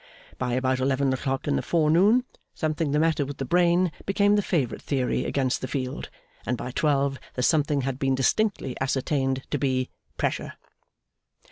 By about eleven o'clock in the forenoon, something the matter with the brain, became the favourite theory against the field; and by twelve the something had been distinctly ascertained to be 'Pressure.